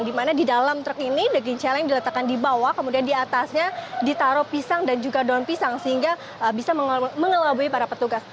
di mana di dalam truk ini daging celeng diletakkan di bawah kemudian di atasnya ditaruh pisang dan juga daun pisang sehingga bisa mengelabui para petugas